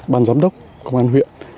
ban giám đốc công an huyện